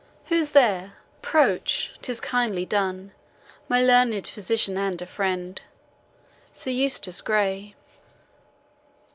Who's there! Approach 'tis kindly done My learned physician and a friend. SIR EUSTACE GREY.